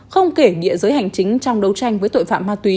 không kể địa giới hành chính trong đấu tranh với tội phạm ma túy